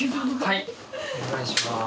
はいお願いします。